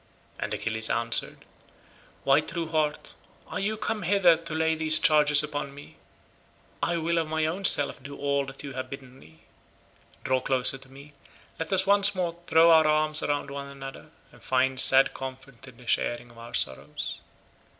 And Achilles answered, "Why, true heart, are you come hither to lay these charges upon me? I will of my own self do all as you have bidden me. Draw closer to me, let us once more throw our arms around one another, and find sad comfort in the sharing of our sorrows."